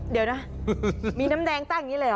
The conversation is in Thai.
เดี๋ยวนะมีน้ำแดงตั้งอย่างนี้เลยเหรอ